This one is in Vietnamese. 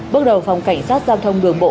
bước đầu phòng cảnh sát giao thông đường bộ